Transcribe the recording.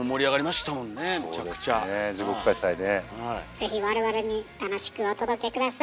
ぜひ我々に楽しくお届け下さい。